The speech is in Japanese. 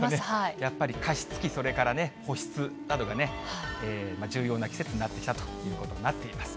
やっぱり加湿器、それからね、保湿などがね、重要な季節になってきたということになっています。